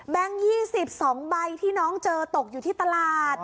๒๒ใบที่น้องเจอตกอยู่ที่ตลาด